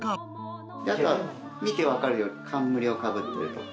見て分かるように冠をかぶって。